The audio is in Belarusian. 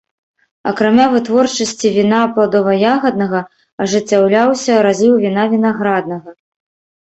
Акрамя вытворчасці віна пладова-ягаднага ажыццяўляўся разліў віна вінаграднага.